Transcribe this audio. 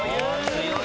強い！